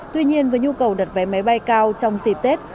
tuy nhiên với nhu cầu đặt vé máy bay cao trong dịp tết